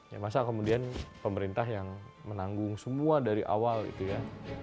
ya masa kemudian pemerintah yang menanggung semua dari awal gitu ya